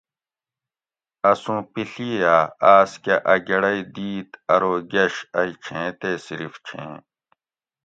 اۤ سوں پیڷی ھہ آۤس کہ اۤ گڑئ دِیت ارو گۤش ائ چھیں تے صرف چھیں